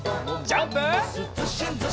ジャンプ！